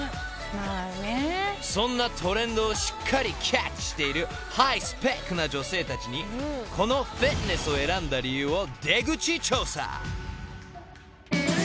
［そんなトレンドをしっかりキャッチしているハイスペックな女性たちにこのフィットネスを選んだ理由を］